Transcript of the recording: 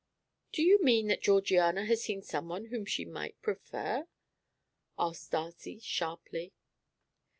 "Do you mean that Georgiana has seen someone whom she might prefer?" asked Darcy sharply.